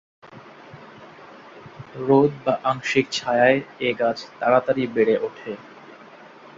রোদ বা আংশিক ছায়ায় এ গাছ তাড়াতাড়ি বেড়ে উঠে।